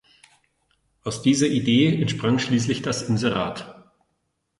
Aus dieser Idee entsprang schließlich das Inserat.